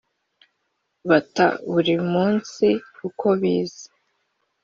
fata buri munsi uko biza,